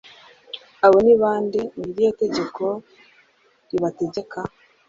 abo ni bande Ni irihe tegeko ribategeka